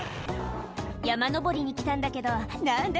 「山登りに来たんだけど何だ？